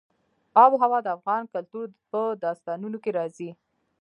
آب وهوا د افغان کلتور په داستانونو کې راځي.